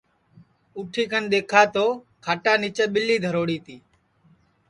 اُٹھی کن دؔیکھا تو کھاٹا نیچے ٻیلی دھروڑی تی